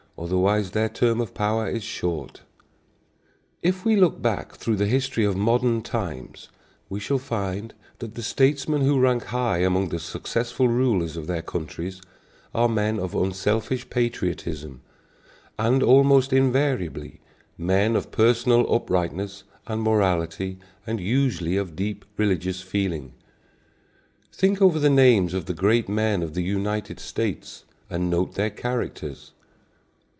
Otherwise their term of power is short. If we look back through the history of modern times, we shall find that the statesmen who rank high among the successful rulers of their countries are men of unselfish patriotism, and almost invariably men of personal uprightness and morality, and usually of deep religious feeling. Think over the names of the great men of the United States, and note their characters.